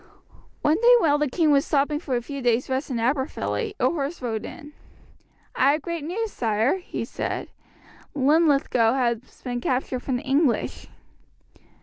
One day while the king was stopping for a few days' rest at Aberfilly, a horseman rode in. "I have great news, sire," he said. "Linlithgow has been captured from the English."